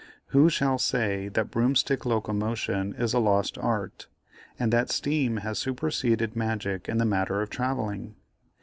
Who shall say that broomstick locomotion is a lost art, and that steam has superseded magic in the matter of travelling?